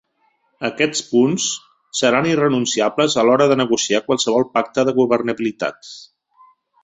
Aquests punts seran irrenunciables a l’hora de negociar qualsevol pacte de governabilitat.